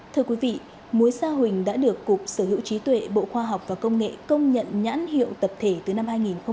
thưa quý vị mối sa huỳnh đã được cục sở hữu trí tuệ bộ khoa học và công nghệ công nhận nhãn hiệu tập thể từ năm hai nghìn một mươi